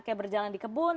ternaknya berjalan di kebun